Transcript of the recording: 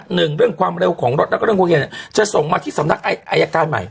หนึ่งเรื่องความเร็วของรถแล้วก็เรื่องโรงเรียนจะส่งมาที่สำนักอายการใหม่